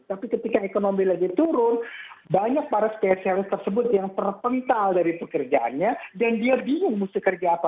tapi ketika ekonomi lagi turun banyak para spesialis tersebut yang terpental dari pekerjaannya dan dia bingung mesti kerja apa